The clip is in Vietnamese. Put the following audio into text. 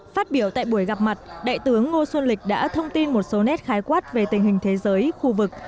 phát biểu tại buổi gặp mặt đại tướng ngô xuân lịch đã thông tin một số nét khái quát về tình hình thế giới khu vực